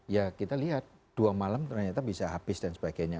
ya kita lihat dua malam ternyata bisa habis dan sebagainya